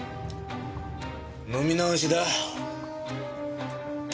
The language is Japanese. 飲み直しだ。